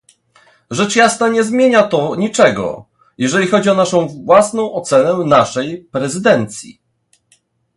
Rzecz jasna nie zmienia to niczego, jeżeli chodzi o naszą własną ocenę naszej prezydencji